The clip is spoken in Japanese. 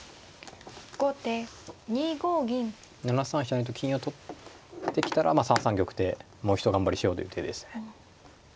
成と金を取ってきたらまあ３三玉でもう一頑張りしようという手ですね。